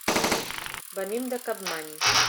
Venim de Capmany.